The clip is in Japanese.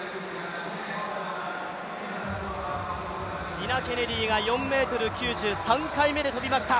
ニナ・ケネディが４ｍ９０、３回目で跳びました。